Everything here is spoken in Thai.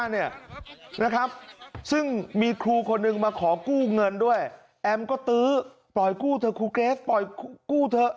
เนี่ยนะครับซึ่งมีครูคนหนึ่งมาขอกู้เงินด้วยแอมก็ตื้อปล่อยกู้เถอะครูเกรสปล่อยกู้เถอะ